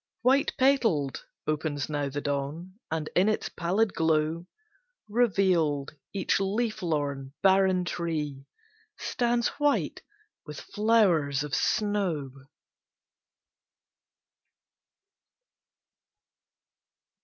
White petaled, opens now the dawn, And in its pallid glow, Revealed, each leaf lorn, barren tree Stands white with flowers of snow.